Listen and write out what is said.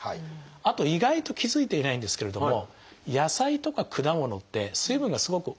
あと意外と気付いていないんですけれども野菜とか果物って水分がすごく多いんですよね。